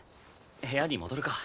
部屋に戻るか。